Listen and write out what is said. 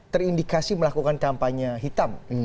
terindikasi melakukan kampanye hitam